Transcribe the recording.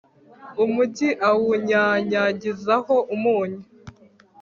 umugi awunyanyagizaho umunyu